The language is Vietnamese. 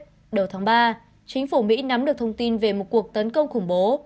tháng ba chính phủ mỹ nắm được thông tin về một cuộc tấn công khủng bố